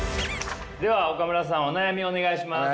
では岡村さんお悩みをお願いします。